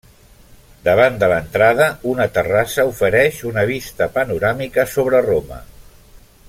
Davant de l'entrada, una terrassa ofereix una vista panoràmica sobre Roma.